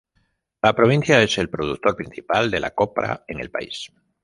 La provincia es el productor principal de la copra en el país.